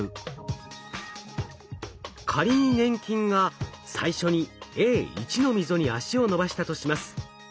仮に粘菌が最初にＡ１の溝に足を伸ばしたとします。